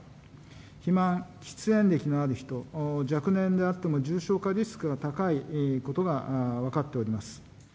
肥満、喫煙歴のある人、若年であっても重症化リスクが高いことが分かっております。